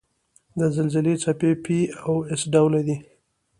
د زلزلې څپې P او S ډوله دي.